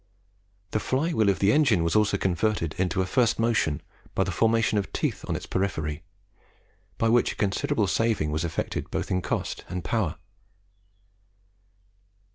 The fly wheel of the engine was also converted into a first motion by the formation of teeth on its periphery, by which a considerable saving was effected both in cost and power.